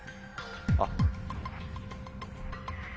あっ。